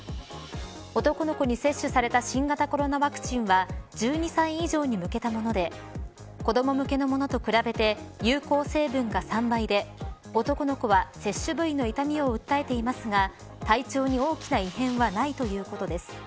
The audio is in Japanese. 男の子に接種された新型コロナワクチンは１２歳以上に向けたもので子ども向けのものと比べて有効成分が３倍で男の子は接種部位の痛みを訴えていますが体調に大きな異変はないということです。